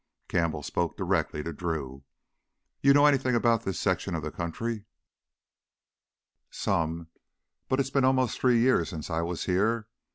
Campbell spoke directly to Drew: "You know anything about this section of the country?" "Some, but it's been almost three years since I was here.